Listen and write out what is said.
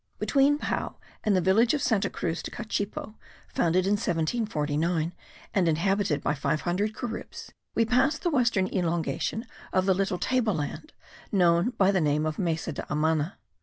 Between Pao and the village of Santa Cruz de Cachipo, founded in 1749, and inhabited by five hundred Caribs, we passed the western elongation of the little table land, known by the name of Mesa de Amana.